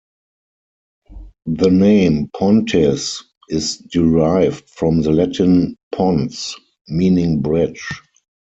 The name "Pontis" is derived from the Latin "pons," meaning bridge.